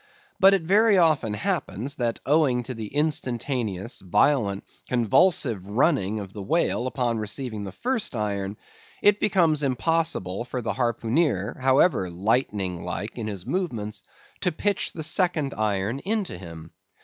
But it very often happens that owing to the instantaneous, violent, convulsive running of the whale upon receiving the first iron, it becomes impossible for the harpooneer, however lightning like in his movements, to pitch the second iron into him.